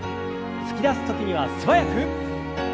突き出す時には素早く。